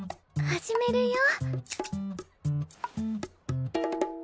始めるよ。